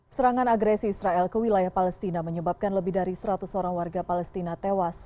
serangan agresi israel ke wilayah palestina menyebabkan lebih dari seratus orang warga palestina tewas